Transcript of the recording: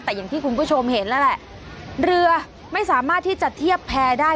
แต่อย่างที่คุณผู้ชมเห็นแล้วแหละเรือไม่สามารถที่จะเทียบแพร่ได้